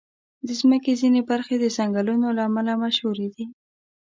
د مځکې ځینې برخې د ځنګلونو له امله مشهوري دي.